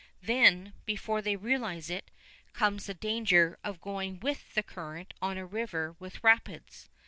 Then, before they realize it, comes the danger of going with the current on a river with rapids.